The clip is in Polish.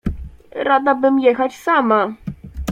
— Rada bym jechać sama.